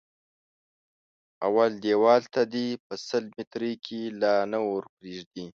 اول دېوال ته دې په سل ميتري کې لا نه ور پرېږدي.